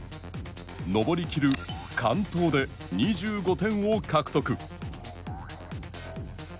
登り切る「完登」で２５点を獲得。